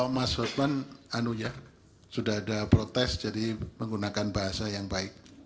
mas fadman anunya sudah ada protes jadi menggunakan bahasa yang baik